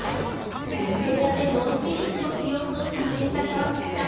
お部屋でのんびり過ごす様子を撮影した川口さん。